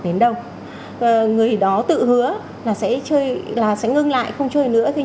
và người đó tự hứa là sẽ ngưng lại không chơi game nữa